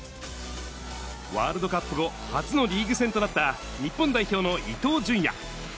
ワールドカップ後、初のリーグ戦となった、日本代表の伊東純也。